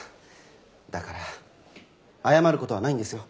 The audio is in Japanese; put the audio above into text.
だから謝る事はないんですよ。